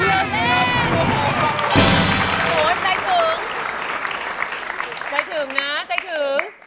โอ้โหใจถึงใจถึงนะใจถึง